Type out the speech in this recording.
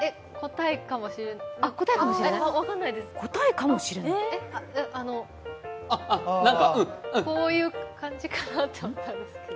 答えかもしれないあの、こういう感じかなと思ったんですけど。